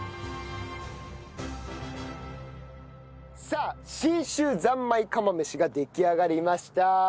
さあ信州三昧釜飯が出来上がりました。